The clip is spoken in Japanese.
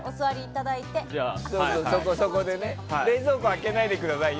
冷蔵庫開けないでくださいよ。